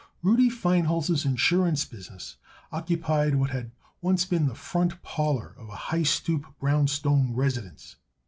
Rudy Feinholz's insurance business occupied what had once been the front parlor of a high stoop brown stone residence.